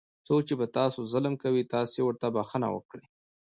څوک چې په تاسو ظلم کوي تاسې ورته بښنه وکړئ.